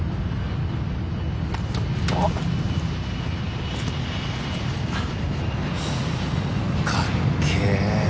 おっ。かっけえ！